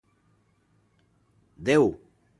Déu!